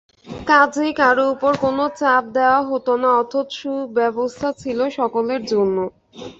কাজেই কারও উপর কোন চাপ দেওয়া হত না, অথচ সুব্যবস্থা ছিল সকলের জন্য।